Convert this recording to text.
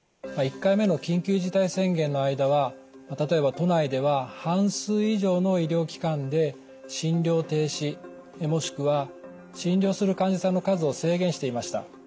１回目の緊急事態宣言の間は例えば都内では半数以上の医療機関で診療停止もしくは診療する患者さんの数を制限していました。